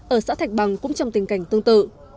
ở xã thạch bằng cũng trong tình cảnh tương tự